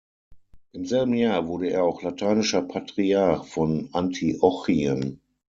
Im selben Jahr wurde er auch lateinischer Patriarch von Antiochien.